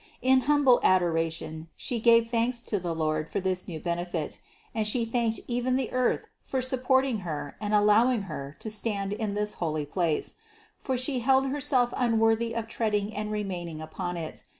In humble adora tion She gave thanks to the Lord for this new benefit, and She thanked even the earth for supporting Her and allowing Her to stand in this holy place; for She held Herself unworthy of treading and remaining upon it.